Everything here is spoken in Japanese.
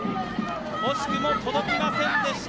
惜しくも届きませんでした。